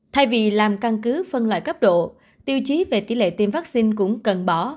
thay vì làm căn cứ phân loại cấp độ tiêu chí về tỷ lệ tiêm vaccine cũng cần bỏ